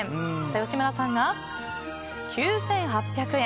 吉村さんが９８００円。